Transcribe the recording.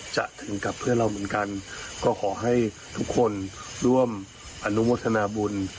จะถึงกับเพื่อนเราเหมือนกันก็ขอให้ทุกคนร่วมอนุโมทนาบุญ